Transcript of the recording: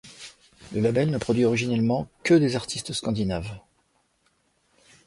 Le label ne produit originellement que des artistes scandinaves.